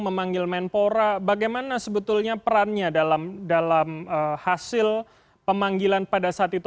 memanggil menpora bagaimana sebetulnya perannya dalam hasil pemanggilan pada saat itu